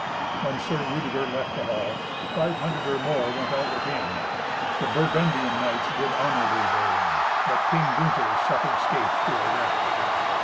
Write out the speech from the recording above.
When Sir Rudeger left the hall, five hundred or more went out with him. The Burgundian knights did honourably therein, but King Gunther suffered scathe for it after.